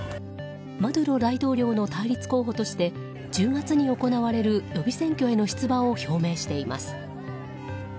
マドゥロ大統領の対立候補として１０月に行われる呼び選挙への出馬を表明しています。